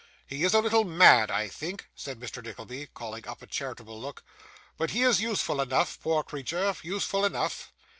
He is a little mad, I think,' said Mr. Nickleby, calling up a charitable look, 'but he is useful enough, poor creature useful enough.